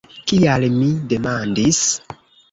Kial? mi demandis.